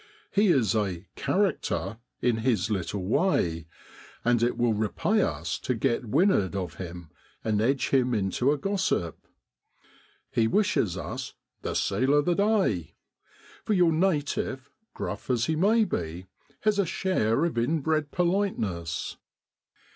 He is a 'character' in his little way; and it will repay us to get to wind'ard of him, and edge him into a gossip. He wishes us ' the seal o' the day,' for your native, gruff as he may be, has a share of inbred politeness.